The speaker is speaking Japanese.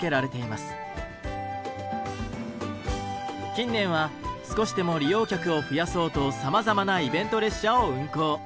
近年は少しでも利用客を増やそうとさまざまなイベント列車を運行。